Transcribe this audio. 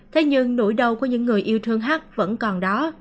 thế nhưng nỗi đau của những người yêu thương hát vẫn còn đó